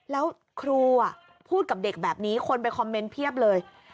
แล้วครูพูดกับเด็กแบบนี้คนไปคอมเมนต์เพียบเลย